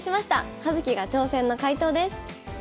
「葉月が挑戦！」の解答です。